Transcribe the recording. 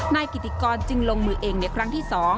นายกิติกรจึงลงมือเองในครั้งที่๒